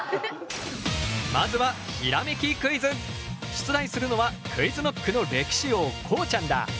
出題するのはＱｕｉｚＫｎｏｃｋの歴史王こうちゃんだ。